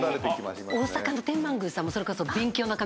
大阪の天満宮さんもそれこそ勉強の神様。